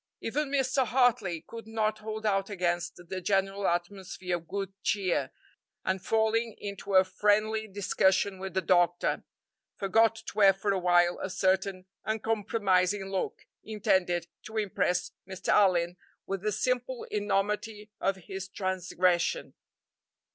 Even Mr. Hartley could not hold out against the general atmosphere of good cheer, and falling into a friendly discussion with the doctor, forgot to wear for a while a certain uncompromising look, intended to impress Mr. Allyn with the simple enormity of his transgression.